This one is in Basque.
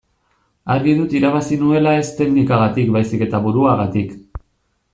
Argi dut irabazi nuela ez teknikagatik baizik eta buruagatik.